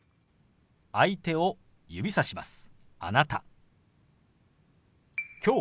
相手を指さします。